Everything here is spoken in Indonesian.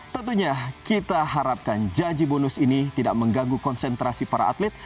tentunya kita harapkan janji bonus ini tidak mengganggu konsentrasi para atlet